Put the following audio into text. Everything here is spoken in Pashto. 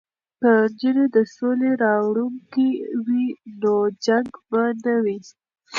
که نجونې د سولې راوړونکې وي نو جنګ به نه وي.